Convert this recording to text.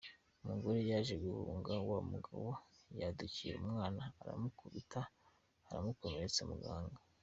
Umugore yaje guhunga, wa mugabo yadukira umwana aramukubita amukomeretsa mu gahanga.